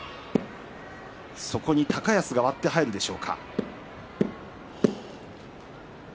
そこに高安が割って入るでしょうか。